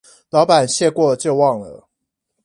老闆謝過就忘了